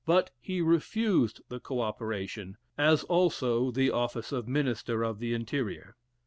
But he refused the co operation, as also the office of Minister of the Interior.